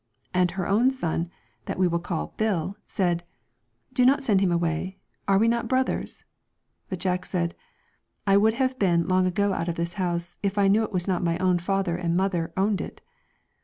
And her own son, that we will call Bill, said, ' Do not send him away, are we not brothers ?' But Jack said, ' I would have been long ago out of this house if I knew it was not my own father and mother owned it.'